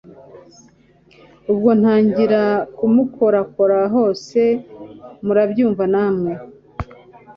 ubwo ntangira kumukorakora hose murabyumva namwe